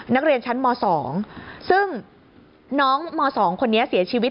นักเรียนชั้นม๒ซึ่งน้องม๒คนนี้เสียชีวิต